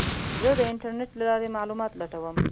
زه د انټرنیټ له لارې معلومات لټوم.